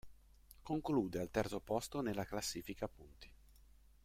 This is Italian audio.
Conclude al terzo posto nella classifica a punti.